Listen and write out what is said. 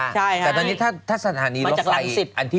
แต่ตอนนี้ถ้าสถานีรถไฟ